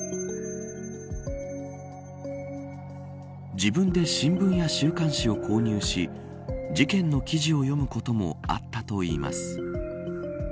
自分で新聞や週刊誌を購入し事件の記事を読むこともあったといいます。